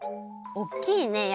おっきいね！